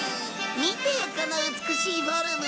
見てよこの美しいフォルム。